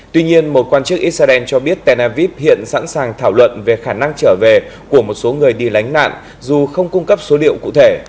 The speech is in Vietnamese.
tuy nhiên một quan chức israel cho biết tel aviv hiện sẵn sàng thảo luận về khả năng trở về của một số người đi lánh nạn dù không cung cấp số điệu cụ thể